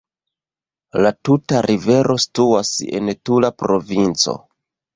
La tuta rivero situas en Tula provinco.